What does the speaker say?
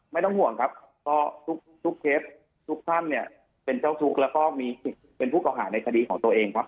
ไม่ต้องห่วงครับก็ทุกเคสทุกท่านเนี่ยเป็นเจ้าทุกข์แล้วก็มีเป็นผู้เก่าหาในคดีของตัวเองครับ